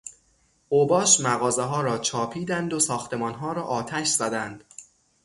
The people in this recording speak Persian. اوباش مغازهها را چاپیدند و ساختمانها را آتش زدند.